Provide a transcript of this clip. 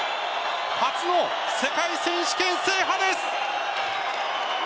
初の世界選手権制覇です。